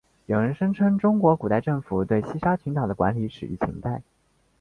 有人声称中国古代政府对西沙群岛的管理始于秦代。